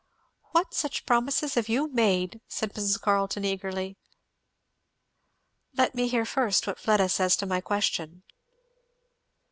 "What such promises have you made?" said Mrs Carleton eagerly. "Let me hear first what Fleda says to my question."